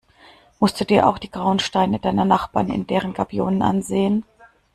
Musst du dir auch die grauen Steine deiner Nachbarn in deren Gabionen ansehen?